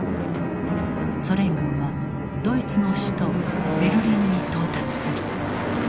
ソ連軍はドイツの首都ベルリンに到達する。